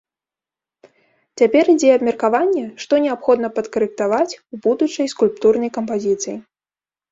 Цяпер ідзе абмеркаванне, што неабходна падкарэктаваць у будучай скульптурнай кампазіцыі.